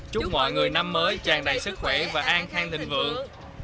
chúc mọi người năm mới tràn đầy sức khỏe và an khang thịnh vượng